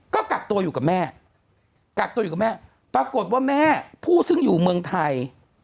ก็กักตัวอยู่กับแม่กักตัวอยู่กับแม่ปรากฏว่าแม่ผู้ซึ่งอยู่เมืองไทย